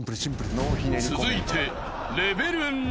［続いて］